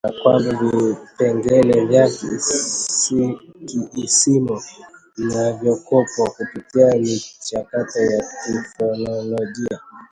na kwamba vipengele vya kiisimu vinavyokopwa hupitia michakato ya kifonolojia